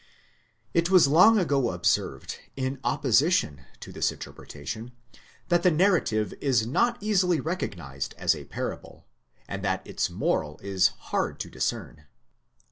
® It was long ago observed, in opposition to this interpretation, that the narrative is not easily recognized as a parable, and that its moral is hard to discern.!